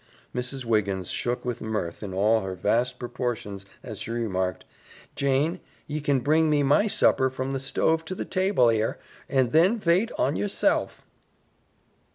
Mrs. Wiggins shook with mirth in all her vast proportions as she remarked, "Jane, ye can bring me MY supper from the stove to the table 'ere, and then vait hon yeself."